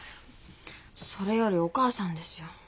それよりお母さんですよ。